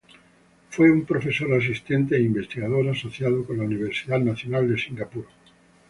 Él fue un profesor asistente e investigador asociado en la Universidad Nacional de Singapur.